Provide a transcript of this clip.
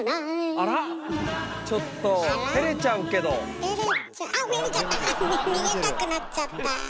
あっ逃げたくなっちゃった。